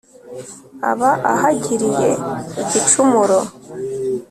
aba ahagiriye igicumuro.